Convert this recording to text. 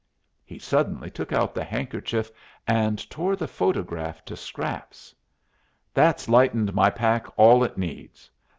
He suddenly took out the handkerchief and tore the photograph to scraps. "That's lightened my pack all it needs.